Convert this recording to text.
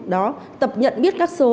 đó tập nhận biết các số